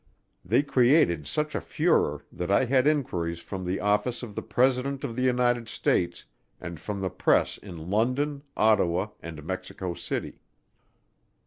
They created such a furor that I had inquiries from the office of the President of the United States and from the press in London, Ottawa, and Mexico City.